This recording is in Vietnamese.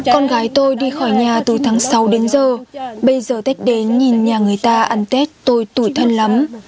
con gái tôi đi khỏi nhà từ tháng sáu đến giờ bây giờ tết đến nhìn nhà người ta ăn tết tôi tuổi thân lắm